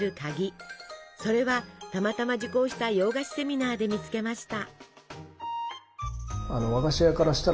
それはたまたま受講した洋菓子セミナーで見つけました。